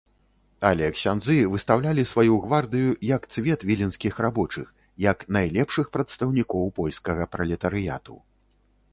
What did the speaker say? Але ксяндзы выстаўлялі сваю гвардыю як цвет віленскіх рабочых, як найлепшых прадстаўнікоў польскага пралетарыяту.